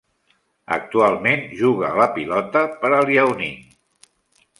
Actualment juga a la pilota per a Liaoning.